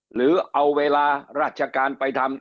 หรือเอาเวลาราชการไปทำ